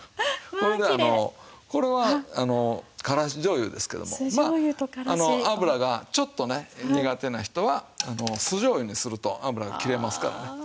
それであのこれは辛子醤油ですけどもまあ油がちょっとね苦手な人は酢醤油にすると油が切れますからね。